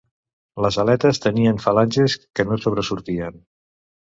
Les aletes tenien falanges que no sobresortien.